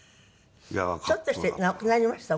ちょっとして亡くなりましたもんね。